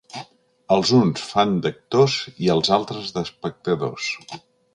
Els uns fan d'actors i els altres d'espectadors.